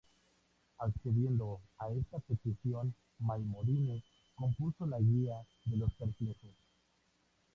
Accediendo a esta petición, Maimónides compuso la "Guía de los Perplejos".